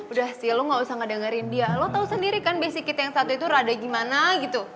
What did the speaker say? udah sih lo gausah ngedengerin dia lo tau sendiri kan basic kit yang satu itu rada gimana gitu